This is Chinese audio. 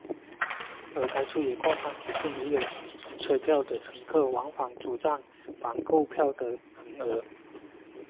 而该处也挂上提示没有车票的乘客前往主站房购票的横额。